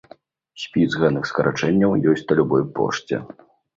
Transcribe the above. Спіс гэтых скарачэнняў ёсць на любой пошце.